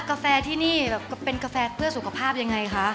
กาแฟที่นี่แบบเป็นกาแฟเพื่อสุขภาพยังไงคะ